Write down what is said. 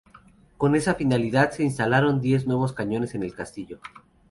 Con esa finalidad se instalaron diez nuevos cañones en el castillo.